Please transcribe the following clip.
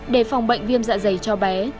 để phòng bệnh viêm dạ dày cho bé